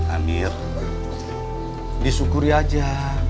amir disyukuri aja